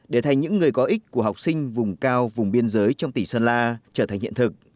để thành những người có ích của học sinh vùng cao vùng biên giới trong tỉnh sơn la trở thành hiện thực